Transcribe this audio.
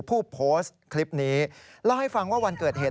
ผู้โพสต์คลิปนี้เล่าให้ฟังว่าวันเกิดเหตุ